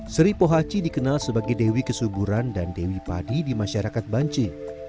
sri pohaci dikenal sebagai dewi kesuburan dan dewi padi di masyarakat banci